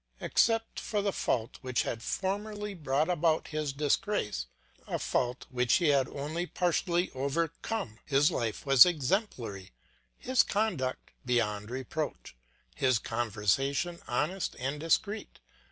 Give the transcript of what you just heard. Except for the fault which had formerly brought about his disgrace, a fault which he had only partially overcome, his life was exemplary, his conduct beyond reproach, his conversation honest and discreet.